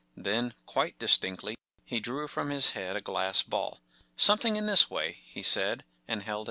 Then, quite distinctly, he drew from his head a glass ball. “ Something in this way ? ” he said, and held it out.